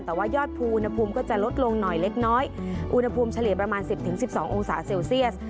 แต่ว่ายอดภูมิอุณหภูมิก็จะลดลงหน่อยเล็กน้อยอุณหภูมิเฉลี่ยประมาณ๑๐๑๒องศาเซลเซียส